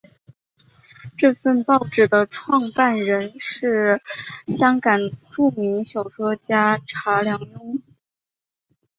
这份报纸的创办人是香港著名小说家查良镛。